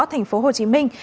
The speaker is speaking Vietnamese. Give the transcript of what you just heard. thành phố hồ chí minh